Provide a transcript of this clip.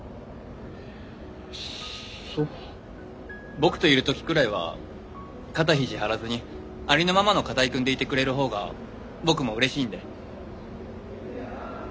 僕といる時くらいは肩肘張らずにありのままの片居くんでいてくれる方が僕もうれしいんで。